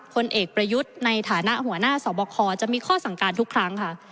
ผลเอกประยุทธ์ในฐานะหัวหน้าสอบคอจะมีข้อสั่งการทุกครั้งค่ะ